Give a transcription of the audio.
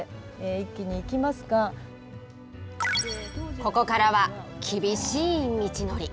ここからは厳しい道のり。